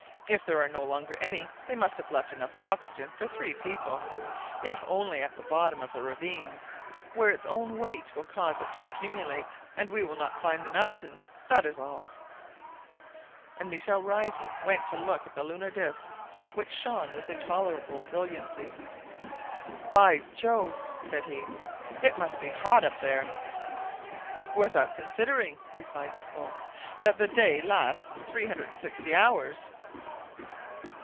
If there are no longer any, they must have left enough oxygen for three people, if only at the bottom of ravines, where its own weight will cause it to accumulate, and we will not climb the mountains; that is all." And Michel, rising, went to look at the lunar disc, which shone with intolerable brilliancy. "By Jove!" said he, "it must be hot up there!" "Without considering," replied Nicholl, "that the day lasts 360 hours!"